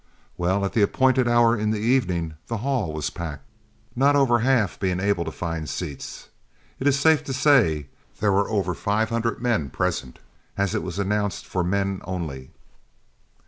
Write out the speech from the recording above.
Well, at the appointed hour in the evening, the hall was packed, not over half being able to find seats. It is safe to say there were over five hundred men present, as it was announced for 'men only.'